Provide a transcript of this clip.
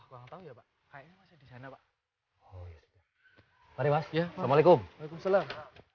hari waspada assalamualaikum waalaikumsalam